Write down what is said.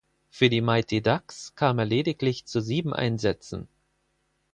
Für die Mighty Ducks kam er lediglich zu sieben Einsätzen.